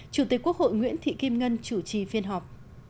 chủ tịch quốc hội nguyễn thị kim ngân chủ trì phiên họp